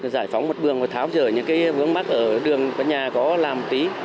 giải phóng một bường và tháo rỡ những vướng mắt ở đường nhà có làm tí